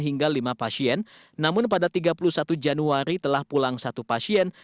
hingga lima pasien namun pada tiga puluh satu januari telah pulang satu pasien